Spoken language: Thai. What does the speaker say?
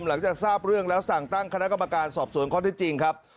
หลังจากทราบเรื่องแล้วสั่งตั้งคณะกรรมการสอบสวนข้อที่จริงครับ